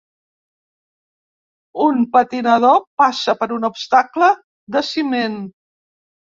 Un patinador passa per un obstacle de ciment.